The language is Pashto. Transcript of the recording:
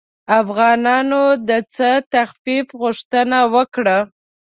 افغانانو د څه تخفیف غوښتنه وکړه.